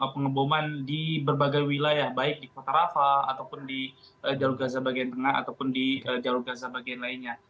pengeboman di berbagai wilayah baik di kota rafah ataupun di jalur gaza bagian tengah ataupun di jalur gaza bagian lainnya